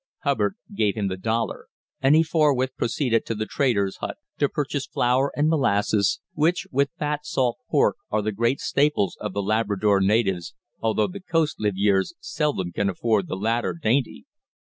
Hubbard gave him the dollar, and he forthwith proceeded to the trader's hut to purchase flour and molasses, which, with fat salt pork, are the great staples of the Labrador natives, although the coast livyeres seldom can afford the latter dainty.